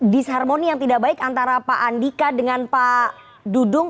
disharmoni yang tidak baik antara pak andika dengan pak dudung